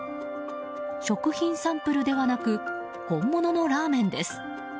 食品サンプルではなく本物のラーメンです。